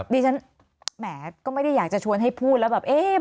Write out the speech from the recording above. ดิฉันแหมก็ไม่ได้อยากจะชวนให้พูดแล้วแบบเอ๊ะ